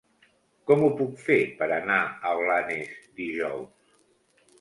Com ho puc fer per anar a Blanes dijous?